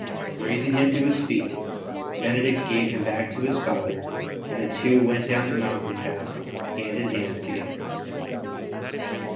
Raising him to his feet, Benedict gave him back to his father, and the two went down the mountain path hand in hand together.